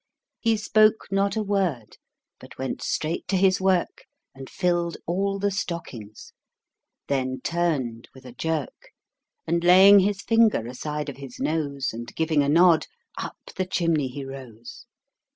He spoke not a word, but went straight to his work, And filled all the stockings; then turned with a jerk, And laying his finger aside of his nose, And giving a nod, up the chimney he rose.